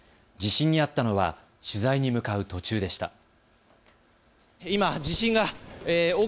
地震に遭ったのは取材に向かう途中でした。